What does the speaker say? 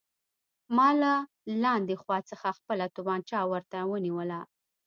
ما له لاندې خوا څخه خپله توپانچه ورته ونیوله